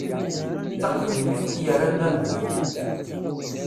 D taqbaylit i k-yerran d amdan.